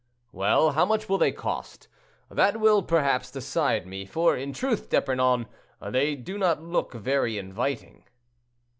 "Well, how much will they cost? That will, perhaps, decide me, for, in truth, D'Epernon, they do not look very inviting."